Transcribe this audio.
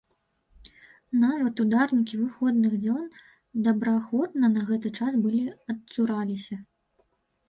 Нават ударнікі выходных дзён добраахвотна на гэты час былі адцураліся.